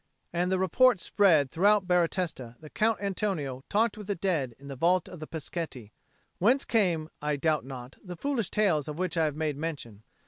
And the report spread throughout Baratesta that Count Antonio talked with the dead in the vault of the Peschetti; whence came, I doubt not, the foolish tales of which I have made mention.